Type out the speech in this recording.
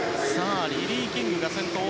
リリー・キングが先頭。